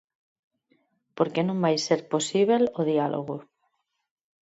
Por que non vai ser posíbel o diálogo.